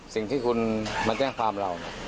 สิ่งที่คุณมาแจ้งความเรา